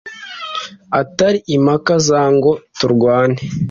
atari impaka za ngo turwane